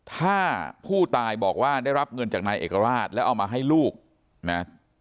ถ้าผู้ตายบอกว่าได้รับเงินจากนายเอกราชแล้วเอามาให้ลูกนะ